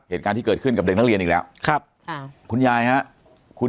เหตุการณ์ที่เกิดขึ้นกับเด็กนักเรียนอีกแล้วครับคุณยายฮะคุณ